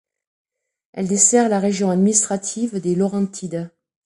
Elle dessert la région administrative des Laurentides.